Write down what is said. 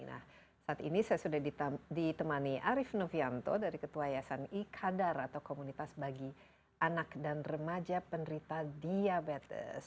nah saat ini saya sudah ditemani arief novianto dari ketua yayasan ikadar atau komunitas bagi anak dan remaja penderita diabetes